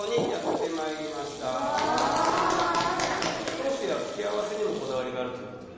ソースや付け合わせにもこだわりがあるということですが。